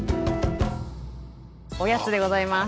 「おやつ」でございます。